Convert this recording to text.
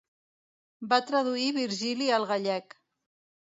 Va traduir Virgili al gallec.